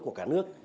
của cả nước